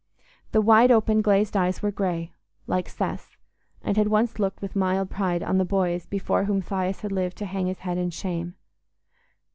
The wide open glazed eyes were grey, like Seth's, and had once looked with mild pride on the boys before whom Thias had lived to hang his head in shame.